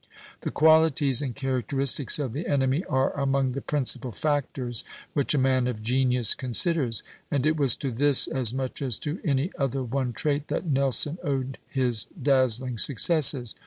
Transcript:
The qualities and characteristics of the enemy are among the principal factors which a man of genius considers, and it was to this as much as to any other one trait that Nelson owed his dazzling successes.